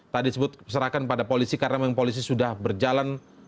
tadi disebut serahkan pada polisi karena memang polisi sudah berjalan